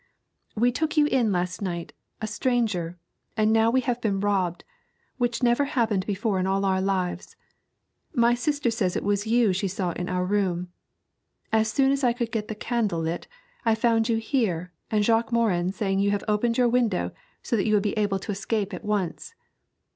'We took you in last night, a stranger; and now we have been robbed, which never happened before in all our lives. My sister says it was you she saw in our room. As soon as I could get the candle lit I found you here, and Jacques Morin says that you have opened your window so that you would be able to escape at once.